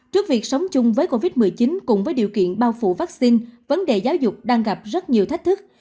trước việc sống chung với covid một mươi chín cùng với điều kiện bao phủ vaccine vấn đề giáo dục đang gặp rất nhiều thách thức